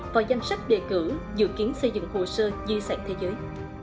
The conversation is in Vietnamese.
vào danh sách đề cử dự kiến xây dựng hồ sơ di sản thế giới